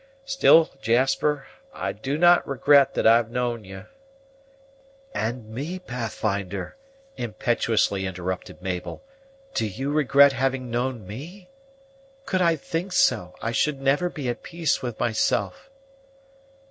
Still, Jasper, I do not regret that I've known you " "And me, Pathfinder!" impetuously interrupted Mabel; "do you regret having known me? Could I think so, I should never be at peace with myself."